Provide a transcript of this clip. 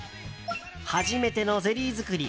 初めてのゼリー作り。